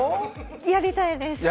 やりたいです。